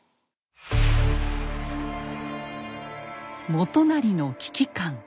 元就の危機感。